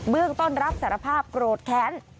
เรื่องต้นรับสารภาพโกรธแค้น